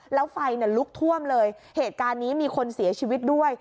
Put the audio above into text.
แล้วไฟลุกท่วมเลยเหตุการณ์นี้มีคนเสียชีวิตด้วย